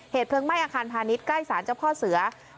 เพลิงไหม้อาคารพาณิชย์ใกล้สารเจ้าพ่อเสือ